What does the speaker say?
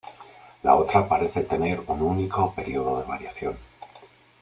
La otra parece tener un único período de variación.